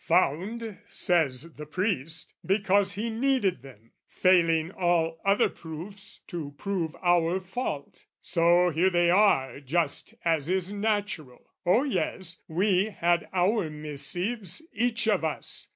"Found," says the priest, "because he needed them, "Failing all other proofs, to prove our fault: "So, here they are, just as is natural. "Oh yes we had our missives, each of us!